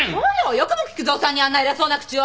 よくも菊蔵さんにあんな偉そうな口を。